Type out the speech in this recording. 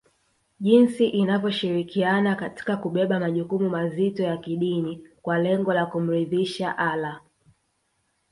jinsi inavyoshirikiana katika kubeba majukumu mazito ya kidini kwa lengo la kumridhisha Allah